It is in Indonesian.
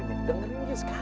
nanti kita berdua ngejagain